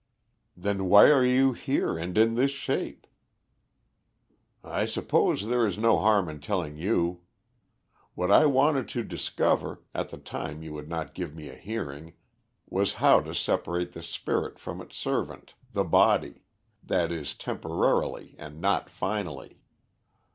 "Then why are you here and in this shape?" "I suppose there is no harm in telling you. What I wanted to discover, at the time you would not give me a hearing, was how to separate the spirit from its servant, the body that is, temporarily and not finally.